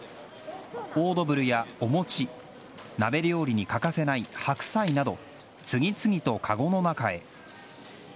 オードブルやお餅鍋料理に欠かせない白菜など次々とかごの中へ。